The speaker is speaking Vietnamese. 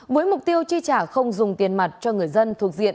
với mục tiêu chi trả không dùng tiền mặt cho người dân thuộc diện